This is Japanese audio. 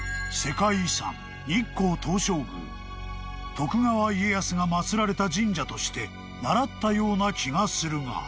［徳川家康が祭られた神社として習ったような気がするが］